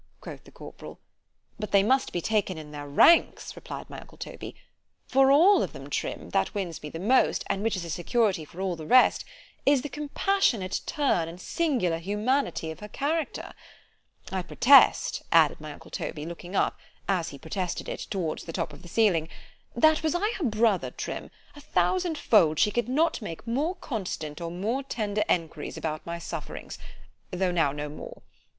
quoth the corporal. ——But they must be taken in their ranks, replied my uncle Toby; for of them all, Trim, that which wins me most, and which is a security for all the rest, is the compassionate turn and singular humanity of her character—I protest, added my uncle Toby, looking up, as he protested it, towards the top of the ceiling—That was I her brother, Trim, a thousand fold, she could not make more constant or more tender enquiries after my sufferings——though now no more.